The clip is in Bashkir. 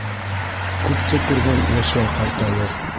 Күпте күргән йәшләй ҡартайыр.